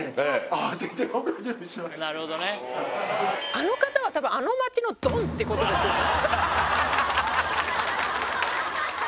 あの方は多分あの町のドンってことですよね？